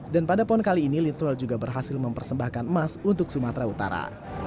pada pon kali ini litsuel juga berhasil mempersembahkan emas untuk sumatera utara